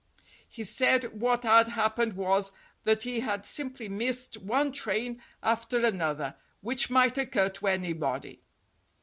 He said what had happened was, that he had simply missed one train after another, which might occur to anybody.